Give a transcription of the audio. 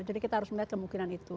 jadi kita harus melihat kemungkinan itu